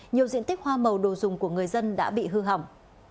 nhiều diện tích hoa màu đồ dùng của người dân đã bị hư hỏng